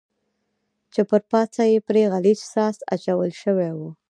چې پر پاسه یې پرې غلیظ ساس اچول شوی و.